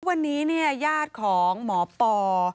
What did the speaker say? วันนี้เนี่ยญาติของหมอปอล์